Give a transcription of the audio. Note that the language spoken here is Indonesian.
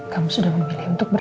kamu sudah memilih untuk bertemu